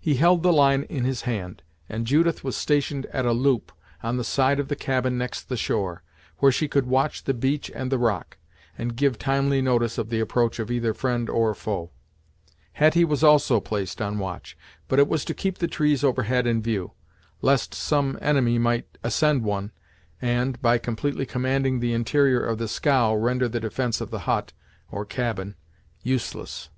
He held the line in his hand, and Judith was stationed at a loop, on the side of the cabin next the shore, where she could watch the beach and the rock, and give timely notice of the approach of either friend or foe. Hetty was also placed on watch, but it was to keep the trees overhead in view, lest some enemy might ascend one, and, by completely commanding the interior of the scow render the defence of the hut, or cabin, useless.